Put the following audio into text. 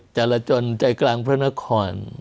จรจนใจกลางพระนคร